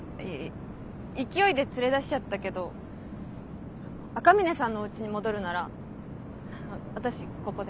勢いで連れ出しちゃったけど赤嶺さんのおうちに戻るなら私ここで。